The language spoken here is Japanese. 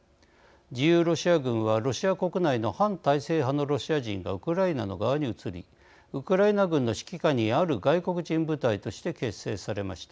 自由ロシア軍はロシア国内の反体制派のロシア人がウクライナの側に移りウクライナ軍の指揮下にある外国人部隊として結成されました。